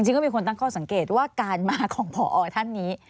ก็มีคนตั้งข้อสังเกตว่าการมาของพอท่านนี้